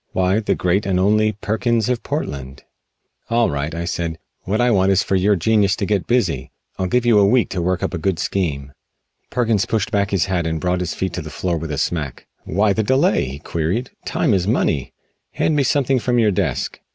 Why the Great and Only Perkins of Portland?" "All right," I said, "what I want is for your genius to get busy. I'll give you a week to work up a good scheme." Perkins pushed back his hat and brought his feet to the floor with a smack. "Why the delay?" he queried, "time is money. Hand me something from your desk."